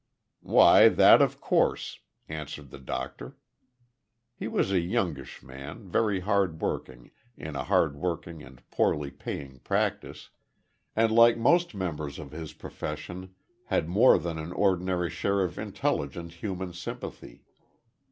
"Why that of course," answered the doctor. He was a youngish man, very hardworking, in a hard worked and poorly paying practice, and like most members of his profession had more than an ordinary share of intelligent human sympathy.